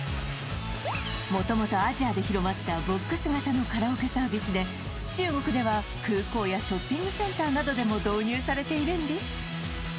元々アジアで広まったボックス型のカラオケサービスで中国では空港やショッピングセンターなどでも導入されているんです